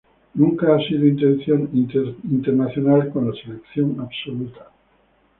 Nunca ha sido internacional con la selección absoluta.